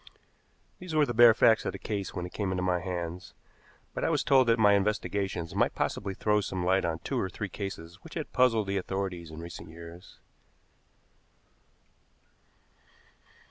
These were the bare facts of the case when it came into my hands, but I was told that my investigations might possibly throw some light on two or three cases which had puzzled the authorities in recent years.